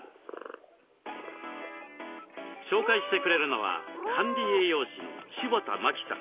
紹介してくれるのは管理栄養士の柴田真希さん。